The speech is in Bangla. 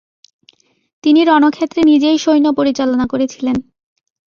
তিনি রণক্ষেত্রে নিজেই সৈন্য পরিচালনা করেছিলেন।